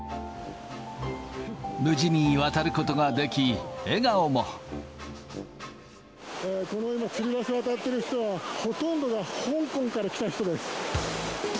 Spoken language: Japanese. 無事に渡ることができ、この今、つり橋渡ってる人は、ほとんどが香港から来た人です。